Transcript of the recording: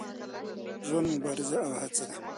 ژوند مبارزه او هڅه ده.